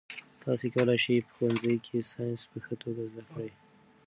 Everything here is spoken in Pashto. تاسي کولای شئ په ښوونځي کې ساینس په ښه توګه زده کړئ.